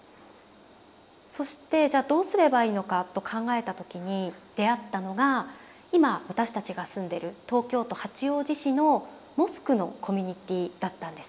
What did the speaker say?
そしてじゃあどうすればいいのかと考えた時に出会ったのが今私たちが住んでる東京都八王子市のモスクのコミュニティーだったんです。